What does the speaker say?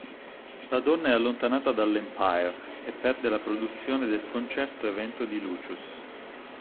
La donna è allontanata dall'Empire e perde la produzione del concerto evento di Lucious.